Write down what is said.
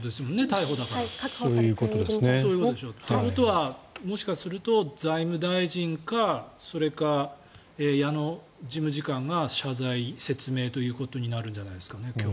逮捕だから。ということはもしかすると財務大臣かそれか矢野事務次官が謝罪、説明ということになるんじゃないですかね。